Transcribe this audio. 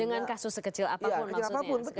dengan kasus sekecil apapun maksudnya